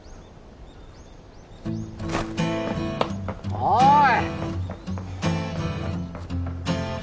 おい！